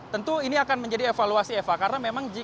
tentu ini akan menjadi evaluasi eva karena memang